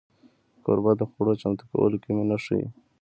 کوربه د خوړو چمتو کولو کې مینه ښيي.